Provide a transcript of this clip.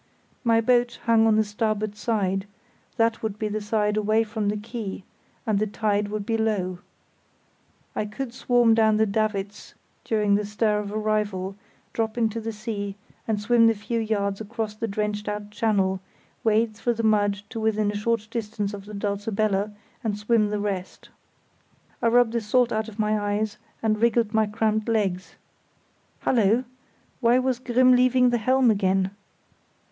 My boat hung on the starboard side; that would be the side away from the quay, and the tide would be low. I could swarm down the davits during the stir of arrival, drop into the sea and swim the few yards across the dredged out channel, wade through the mud to within a short distance of the Dulcibella, and swim the rest. I rubbed the salt out of my eyes and wriggled my cramped legs.... Hullo! why was Grimm leaving the helm again?